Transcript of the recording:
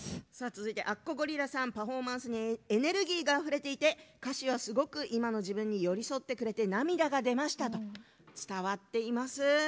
続いて、「あっこゴリラさんパフォーマンスにエネルギーがあふれていて歌詞が、すごく今の自分に寄り添ってくれて涙が出ました」と伝わっています。